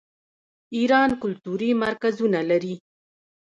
ایران کلتوري مرکزونه لري.